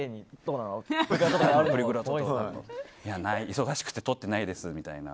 忙しくて撮ってないですみたいな。